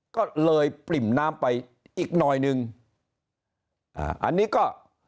ก็เลยปริ่มน้ำไปอีกหน่อยหนึ่งอ่าอันนี้ก็